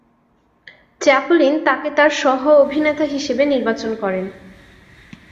Chaplin তাকে তার সহ-অভিনেতা হিসেবে নির্বাচন করেন।